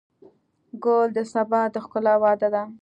ګل د سبا د ښکلا وعده ده.